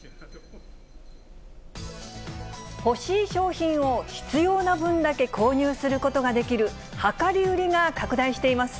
欲しい商品を必要な分だけ購入することができる、量り売りが拡大しています。